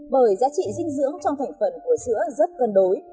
bởi giá trị dinh dưỡng trong thành phần của sữa rất cân đối